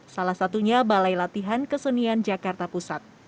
salah satunya balai latihan kesenian jakarta pusat